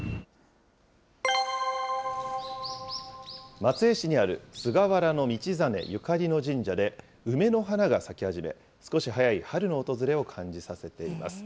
松江市にある菅原道真ゆかりの神社で、梅の花が咲き始め、少し早い春の訪れを感じさせています。